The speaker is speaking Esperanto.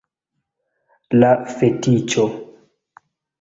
La fetiĉo!